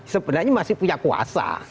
sebenarnya masih punya kuasa